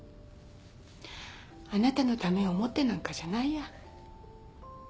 あなたのためを思ってなんかじゃないや